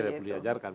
tidak perlu diajarkan